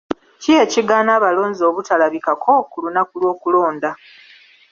Ki ekigaana abalonzi obutalabikako ku lunaku lw'okulonda?